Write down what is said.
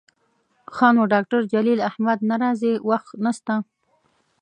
ښه نو ډاکتر جلیل احمد نه راځي، وخت نسته